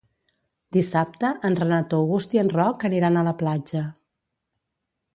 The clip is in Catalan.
Dissabte en Renat August i en Roc aniran a la platja.